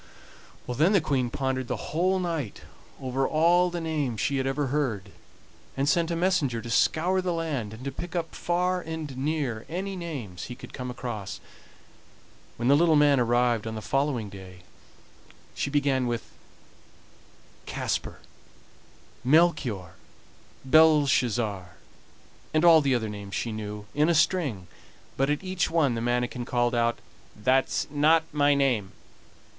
Then the Queen pondered the whole night over all the names she had ever heard, and sent a messenger to scour the land, and to pick up far and near any names he could come across. When the little man arrived on the following day she began with Kasper, Melchior, Belshazzar, and all the other names she knew, in a string, but at each one the manikin called out: "That's not my name."